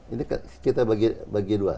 ini kita bagi dua